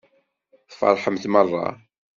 Tfeṛḥemt meṛṛa.